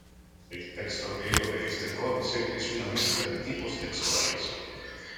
El texto griego de este códice es una mezcla de tipos textuales.